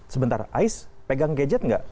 sebentar ais pegang gadget nggak